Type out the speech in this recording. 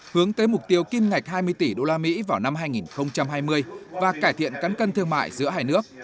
hướng tới mục tiêu kim ngạch hai mươi tỷ đô la mỹ vào năm hai nghìn hai mươi và cải thiện cấn cân thương mại giữa hai nước